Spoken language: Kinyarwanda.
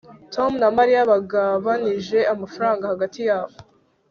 tom na mariya bagabanije amafaranga hagati yabo